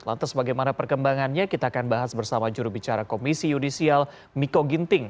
lantas bagaimana perkembangannya kita akan bahas bersama jurubicara komisi yudisial miko ginting